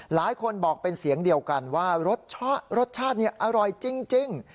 หลายคนบอกเป็นเสียงเดียวกันว่ารสชาติรสชาติอร่อยจริง